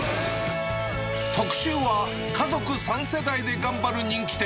特集は、家族３世代で頑張る人気店。